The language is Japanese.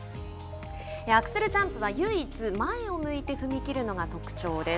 アクセルジャンプは唯一前を向いて踏み切るのが特徴です。